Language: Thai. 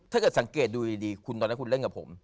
ถ้าเกิดสังเกตดูดีคุณตอนนั้นคุณเล่นกับผม